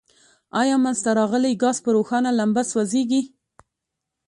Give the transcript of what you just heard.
آیا منځ ته راغلی ګاز په روښانه لمبه سوځیږي؟